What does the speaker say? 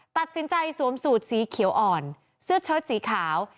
ตัดสินใจสวมสูตรสีเขียวอ่อนเสื้อเชิดสีขาว